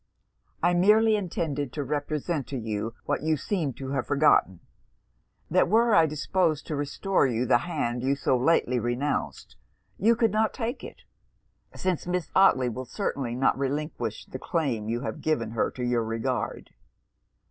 I merely intended to represent to you what you seem to have forgotten that were I disposed to restore you the hand you so lately renounced, you could not take it; since Miss Otley will certainly not relinquish the claim you have given her to your regard.'